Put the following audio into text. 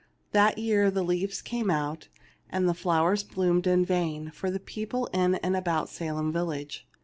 That year the leaves came out and the flowers bloomed in vain for the people in and about Salem village.